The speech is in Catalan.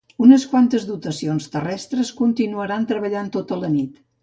Unes quantes dotacions terrestres continuaran treballant tota la nit.